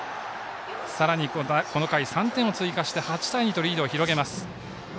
さらに、この回３点を追加して８対２とリードを広げます。